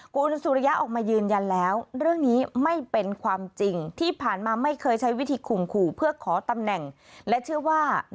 กูลสุริยะออกมายืนยันแล้ว